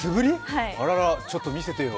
あらら、ちょっと見せてよ。